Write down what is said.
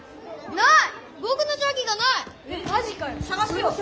ない。